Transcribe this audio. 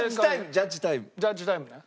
ジャッジタイムね。